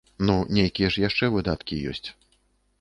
Ну, нейкія ж яшчэ выдаткі ёсць.